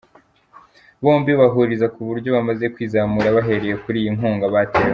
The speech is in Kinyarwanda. Bombi bahuriza ku buryo bamaze kwizamura bahereye kuri iyi nkunga batewe.